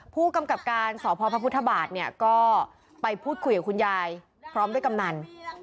ผู้กำกับการสพพระพุทธบาทเนี่ยก็ไปพูดคุยกับคุณยายพร้อมด้วยกำนัน